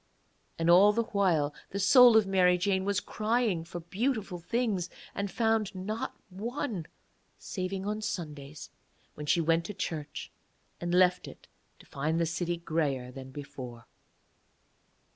And all the while the soul of Mary Jane was crying for beautiful things, and found not one, saving on Sundays, when she went to church, and left it to find the city greyer than before.